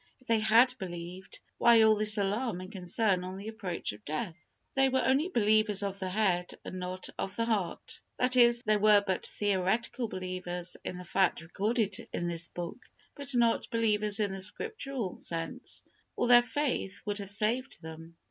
If they had believed, why all this alarm and concern on the approach of death? They were only believers of the head, and not of the heart; that is, they were but theoretical believers in the facts recorded in this book, but not believers in the Scriptural sense, or their faith would have saved them.